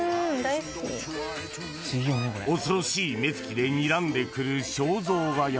［恐ろしい目つきでにらんでくる肖像画や］